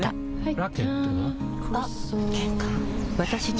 ラケットは？